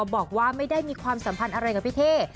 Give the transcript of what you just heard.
บอกว่าไม่ได้มีความสัมพันธ์อะไรกับพี่เท่